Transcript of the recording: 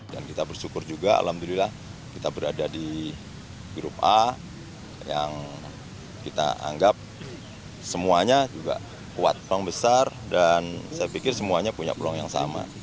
dan kita bersyukur juga alhamdulillah kita berada di grup a yang kita anggap semuanya juga kuat peluang besar dan saya pikir semuanya punya peluang yang sama